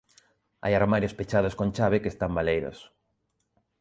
Hai armarios pechados con chave que están baleiros.